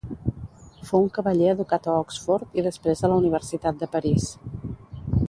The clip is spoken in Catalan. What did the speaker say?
Fou un cavaller educat a Oxford i després a la Universitat de París.